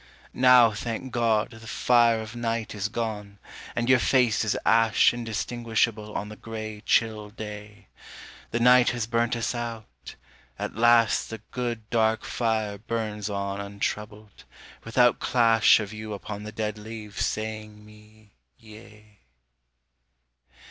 Now, thank God, The fire of night is gone, and your face is ash Indistinguishable on the grey, chill day; The night has burnt us out, at last the good Dark fire burns on untroubled, without clash Of you upon the dead leaves saying me Yea.